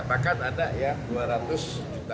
bahkan ada yang rp dua juta